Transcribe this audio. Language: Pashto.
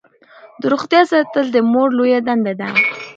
د روغتیا ساتل د مور لویه دنده ده.